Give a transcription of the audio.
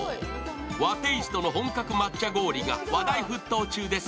和テーストの本格抹茶氷が話題沸騰中です。